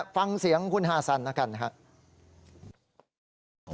ฟังเสียงคุณฮาซัอนก็คัน